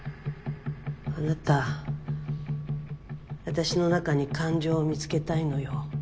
あなた私の中に感情を見つけたいのよ。